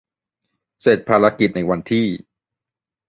เสร็จภารกิจในวันที่